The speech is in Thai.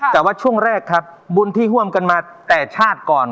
แต่ว่าช่วงแรกครับบุญที่ห่วมกันมาแต่ชาติก่อน